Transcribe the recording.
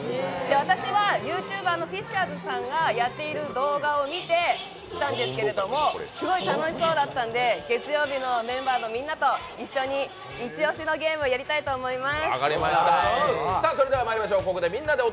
私はＹｏｕＴｕｂｅｒのフィッシャーズさんがやっている動画を見たんですけどすごい楽しそうだったんで、月曜日のメンバーのみんなと一緒にイチオシのゲーム、やりたい思います。